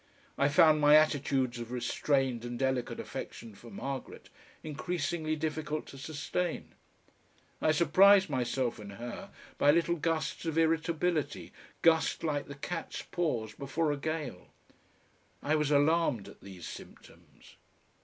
I found my attitudes of restrained and delicate affection for Margaret increasingly difficult to sustain. I surprised myself and her by little gusts of irritability, gusts like the catspaws before a gale. I was alarmed at these symptoms.